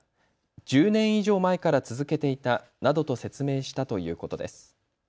１０年以上前から続けていたなどと説明したということです。